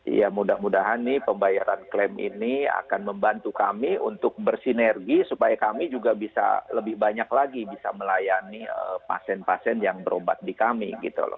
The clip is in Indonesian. ya mudah mudahan nih pembayaran klaim ini akan membantu kami untuk bersinergi supaya kami juga bisa lebih banyak lagi bisa melayani pasien pasien yang berobat di kami gitu loh